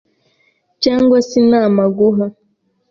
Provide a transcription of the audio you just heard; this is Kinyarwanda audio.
cyangwa se inama aguha